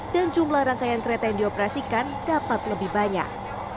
dan jumlah rangkaian kereta yang dioperasikan dapat lebih banyak